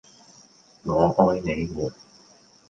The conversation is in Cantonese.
我愛你們